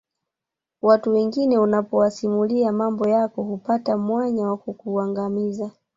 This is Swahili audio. Watu wengine unapowasimulia mambo yako hupata mwanya wa kukuangamiza